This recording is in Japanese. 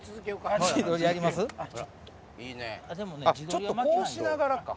ちょっとこうしながらか。